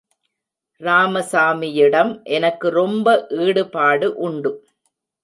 ராமசாமியிடம் எனக்கு ரொம்ப ஈடுபாடு உண்டு.